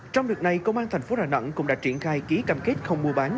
trong đợt này công an thành phố đà nẵng cũng đã triển khai ký cam kết không mua bán